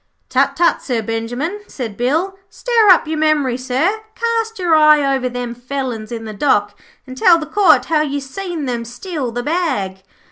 'Tut, tut, Sir Benjimen,' said Bill, 'stir up your memory, sir; cast your eye over them felons in the dock, and tell the Court how you seen them steal the bag.'